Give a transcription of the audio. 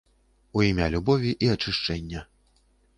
У імя любові і ачышчэння.